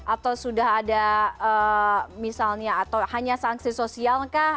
atau sudah ada misalnya atau hanya sanksi sosialkah